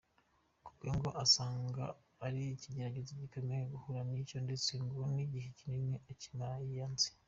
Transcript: Kubwe ngo asanga ari ikigeragezo gikomeye yahuye nacyo ndetse ngo igihe kinini akimara yiyanze.